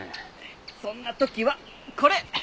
そんな時はこれ！